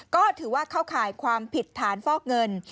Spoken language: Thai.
ก็ถือว่าเข้าข่ายความผิดฐานฟอกเงิน